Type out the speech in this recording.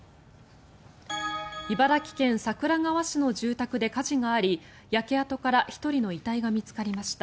茨城県桜川市の住宅で火事があり焼け跡から１人の遺体が見つかりました。